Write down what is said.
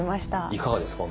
いかがですか？